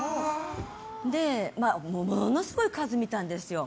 で、ものすごい数見たんですよ。